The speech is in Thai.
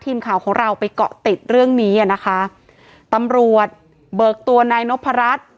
ทีมข่าวของเราไปเกาะติดเรื่องนี้อ่ะนะคะตำรวจเบิกตัวนายนพรัช